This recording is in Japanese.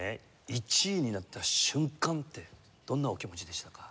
１位になった瞬間ってどんなお気持ちでしたか？